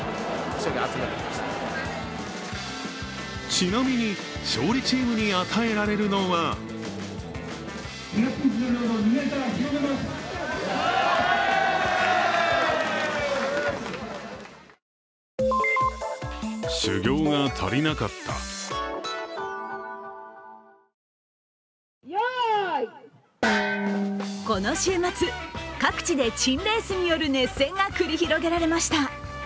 ちなみに勝利チームに与えられるのはこの週末、各地で珍レースによる熱戦が繰り広げられました。